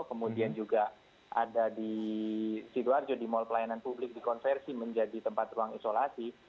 kemudian juga ada di sidoarjo di mall pelayanan publik dikonversi menjadi tempat ruang isolasi